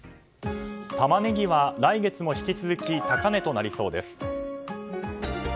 タマネギは来月も引き続き高値となりそうです。